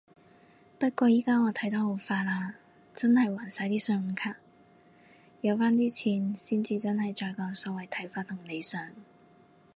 不過依家我睇得好化啦，真係還晒啲信用卡。有返啲錢先至真係再講所謂睇法同理想